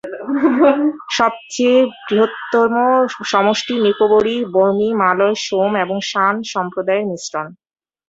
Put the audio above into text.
সবচেয়ে বৃহত্তম সমষ্টি নিকোবরী-বর্মী, মালয়, সোম এবং শান সম্প্রদায়ের মিশ্রণ।